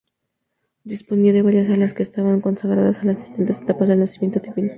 Disponía de varias salas que estaban consagradas a las distintas etapas del nacimiento divino.